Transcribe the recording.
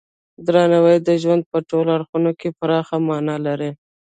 درناوی د ژوند په ټولو اړخونو کې پراخه معنی لري.